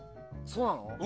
そうなの？